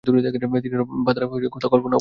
তিনি এরূপ বাধার কথা কল্পনাও করেন নাই।